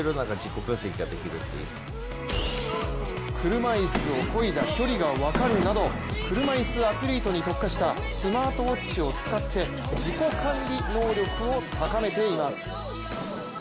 車椅子をこいだ距離が分かるなど車いすアスリートに特化したスマートウォッチを使って、自己管理能力を高めています。